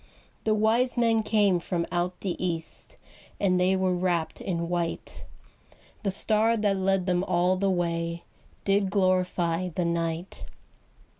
The wise men came from out the east, And they were wrapped in white; The star that led them all the way Did glorify the night.